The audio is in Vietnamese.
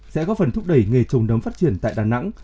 sẽ góp phần thúc đẩy nghề trồng nấm phát triển tại đà nẵng